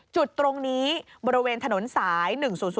จุดตรงนี้บริเวณถนนสาย๑๐๐